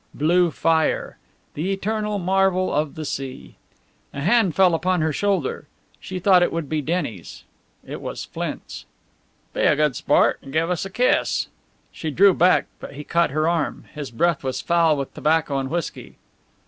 Blue fire! The eternal marvel of the sea! A hand fell upon her shoulder. She thought it would be Denny's. It was Flint's! "Be a good sport, an' give us a kiss!" She drew back, but he caught her arm. His breath was foul with tobacco and whisky.